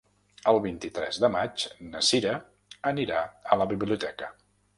El vint-i-tres de maig na Sira anirà a la biblioteca.